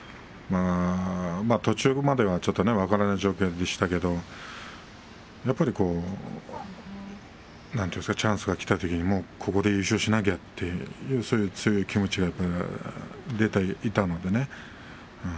途中まではね分からない状況でしたけれどチャンスがきた、ここで優勝しなければという強い気持ちが出ていたのでね。